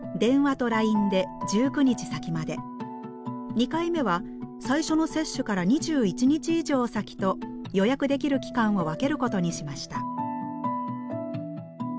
２回目は最初の接種から２１日以上先と予約できる期間を分けることにしました。